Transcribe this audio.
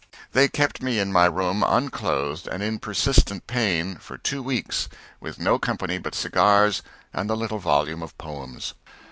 They kept me in my room, unclothed, and in persistent pain for two weeks, with no company but cigars and the little volume of poems.